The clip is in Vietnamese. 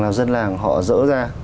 là dân làng họ dỡ ra